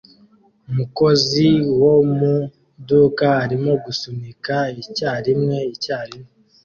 Umukozi wo mu iduka arimo gusunika icyarimwe icyarimwe